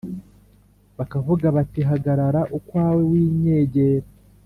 bakavuga bati Hagarara ukwawe winyegera